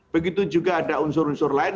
begitu juga ada unsur unsur lain